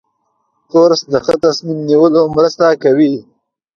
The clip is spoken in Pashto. کورس د ښه تصمیم نیولو مرسته کوي.